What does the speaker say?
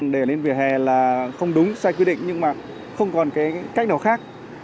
để lên vỉa hè là không đúng sai quy định nhưng mà không còn cái cách nào khác